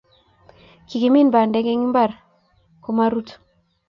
Kikimin bandek en imbar ko marut